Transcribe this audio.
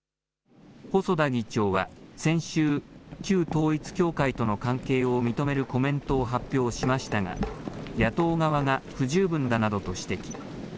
細田議長は先週、旧統一教会との関係を認めるコメントを発表しましたが、野党側が不十分だなどと指摘。